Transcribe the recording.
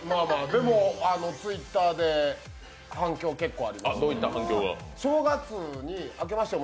でも、ツイッターで反響、結構ありました。